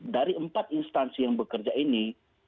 dari empat instansi yang bekerja ini